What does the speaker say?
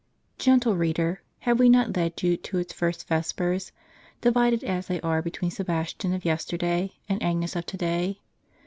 Gentle reader, have we not led you to its first vespers, divided as they are between Sebastian of yesterday, and Agnes of to day?